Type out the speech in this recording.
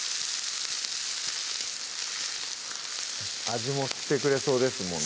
味も吸ってくれそうですもんね